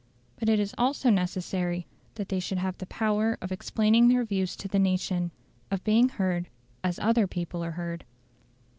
But it is also necessary that they should have the power of explaining their views to the nation; of being heard as other people are heard.